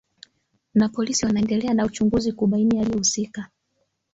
na polisi wanaendelea na uchunguzi kubaini aliyehusika